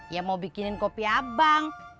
ya mau bikinin kopi abang